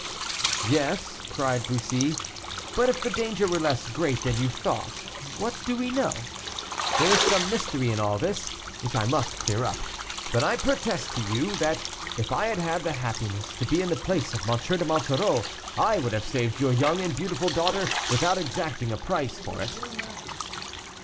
"Yes," cried Bussy, "but if the danger were less great than you thought; what do we know? There is some mystery in all this, which I must clear up. But I protest to you, that if I had had the happiness to be in the place of M. de Monsoreau, I would have saved your young and beautiful daughter without exacting a price for it."